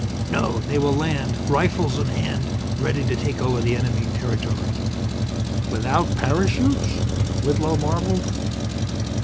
No, they will land, rifles in hand, ready to take over the enemy territory." "Without parachutes?" Whitlow marveled.